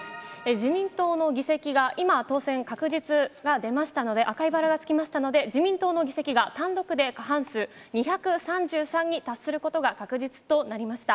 自民党の議席が、今当選確実が出ましたので、赤いバラがつきましたので、自民党の議席が単独で過半数、２３３に達することが確実となりました。